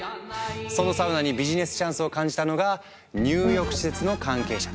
そのサウナにビジネスチャンスを感じたのが入浴施設の関係者たち。